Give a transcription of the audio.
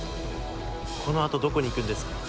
このあとどこに行くんですか？